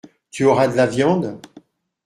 Tu auras de la viande ?